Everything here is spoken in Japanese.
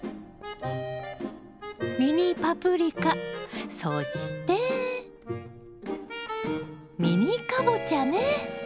ミニパプリカそしてミニカボチャね。